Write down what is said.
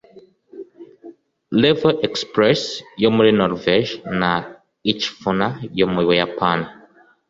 Revo Express yo muri Norvège na Ichifuna yo mu Buyapani